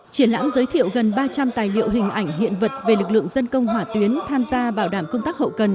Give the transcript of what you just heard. triển lãm giới thiệu gần ba trăm linh tài liệu hình ảnh hiện vật về lực lượng dân công hỏa tuyến tham gia bảo đảm công tác hậu cần